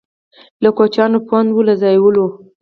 له کوچیانو پونده وو له ځایوالو.